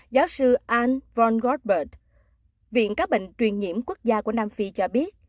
giáo sư anne von goldberg viện các bệnh truyền nhiễm quốc gia của nam phi cho biết